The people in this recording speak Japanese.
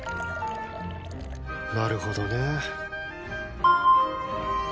なるほどね。